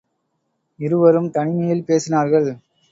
இருவரும் தனிமையில் பேசினார்கள்.